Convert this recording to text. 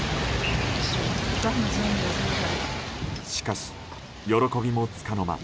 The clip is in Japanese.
しかし、喜びもつかの間。